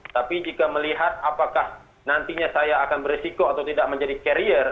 tapi jika melihat apakah nantinya saya akan beresiko atau tidak menjadi carrier